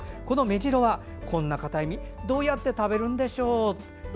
このメジロは、こんな硬い実どうやって食べるんでしょう？